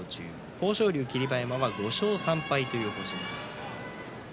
豊昇龍、霧馬山は５勝３敗という星です。